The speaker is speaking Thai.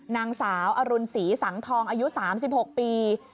นางสาวอรุณศรีสังทองอายุ๓๖ปี